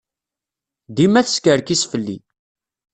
Dima teskerkis fell-i.